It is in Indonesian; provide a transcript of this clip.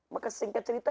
maka singkat cerita